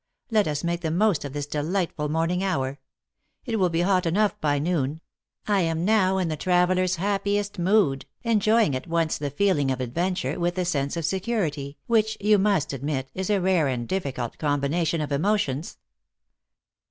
Let us make the most of this delightful morning hour. It will be hot enough by noon. I am now in the travel er s happiest mood, enjoying at once the feeling of ad venture with the sense of security, which, you must admit, is a rare and difficult combination of emotions."